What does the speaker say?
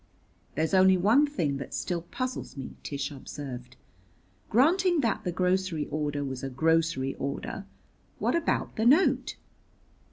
"There's only one thing that still puzzles me," Tish observed: "granting that the grocery order was a grocery order, what about the note?"